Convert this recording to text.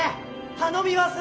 ・頼みます！